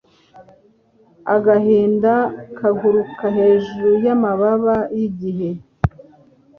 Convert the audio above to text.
Agahinda kaguruka hejuru yamababa yigihe.